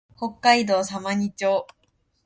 北海道様似町